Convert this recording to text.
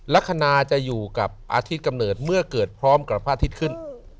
ลักษณะจะอยู่กับอาทิตย์กำเนิดเมื่อเกิดพร้อมกับพระอาทิตย์ขึ้น